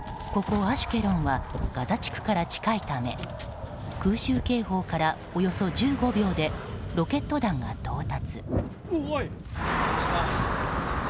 ここアシュケロンはガザ地区から近いため空襲警報からおよそ１５秒でロケット弾が到達。